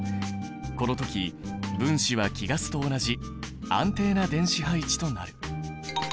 この時分子は貴ガスと同じ安定な電子配置となる。